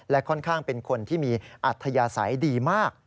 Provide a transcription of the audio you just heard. ค่อนข้างเป็นคนที่มีอัธยาศัยดีมาก